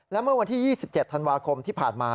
และเมื่อวันที่๒๗ธันวาคมที่ผ่านมา